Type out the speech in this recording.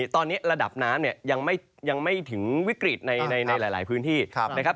ตอนนี้ระดับน้ำเนี่ยยังไม่ถึงวิกฤตในหลายพื้นที่นะครับ